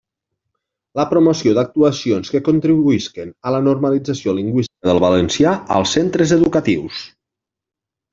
La promoció d'actuacions que contribuïsquen a la normalització lingüística del valencià als centres educatius.